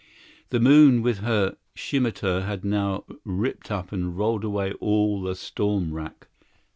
The moon with her scimitar had now ripped up and rolled away all the storm wrack.